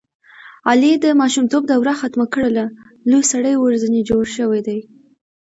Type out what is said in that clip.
علي د ماشومتوب دروه ختمه کړله لوی سړی ورځنې جوړ شوی دی.